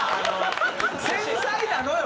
繊細なのよ。